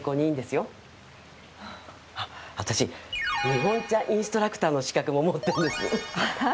日本茶インストラクターの資格も持ってるんですあ